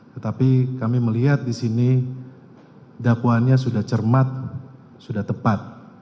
tetapi kami melihat di sini dakwaannya sudah cermat sudah tepat